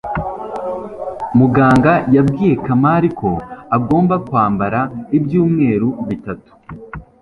muganga yabwiye kamali ko agomba kwambara ibyumweru bitatu